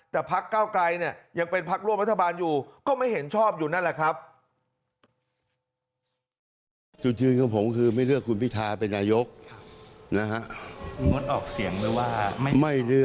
แต่พก้าวกรายเนี่ยยังเป็นพร่วมรัฐบาลอยู่